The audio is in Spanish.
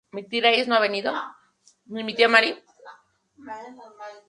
En varias ocasiones ocupó el rectorado de la universidad en ausencia del titular.